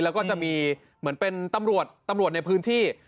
แล้วก็จะมีเหมือนเป็นตำรวจตำรวจในพื้นที่